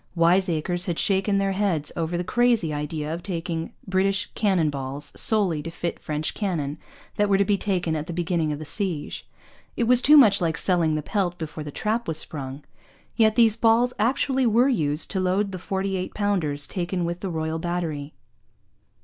Wise acres had shaken their heads over the crazy idea of taking British cannon balls solely to fit French cannon that were to be taken at the beginning of the siege: it was too much like selling the pelt before the trap was sprung. Yet these balls actually were used to load the forty two pounders taken with the Royal Battery!